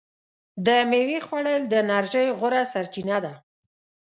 د میوې خوړل د انرژۍ غوره سرچینه ده.